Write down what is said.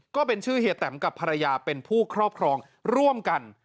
ก็เป็นชื่อเฮียแตมกับภรรยาเป็นผู้ครอบครองร่วมกัน